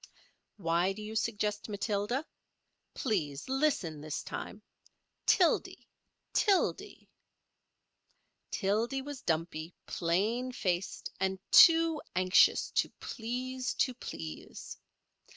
Why do you suggest Matilda? Please listen this time—Tildy—Tildy. Tildy was dumpy, plain faced, and too anxious to please to please.